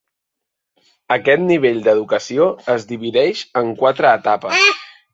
Aquest nivell d'educació es divideix en quatre etapes.